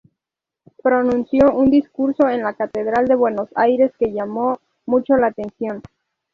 Pronunció un discurso en la Catedral de Buenos Aires que llamó mucho la atención.